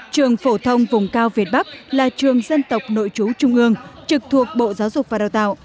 trường phổ thông vùng cao việt bắc là trường dân tộc nội chú trung ương trực thuộc bộ giáo dục và đào tạo